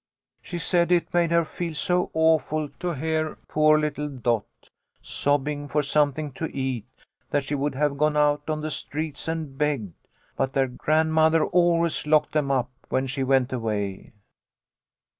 She said it made her feel so awful to hear poor little Dot sob bing for something to eat, that she would have gone out on the streets and begged, but their grandmother always locked them up when she went away."